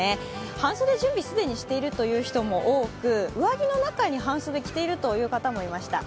半袖、準備、既にしているという人も多く、上着の中に半袖を着ているという人もいました。